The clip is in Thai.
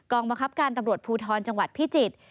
บังคับการตำรวจภูทรจังหวัดพิจิตร